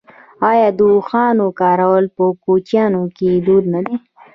آیا د اوښانو کارول په کوچیانو کې دود نه دی؟